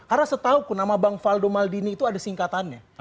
karena setauku nama bang faldo maldini itu ada singkatannya